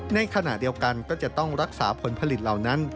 ในขณะเดียวกันก็จะต้องรักษาผลผลิตเหล่านั้น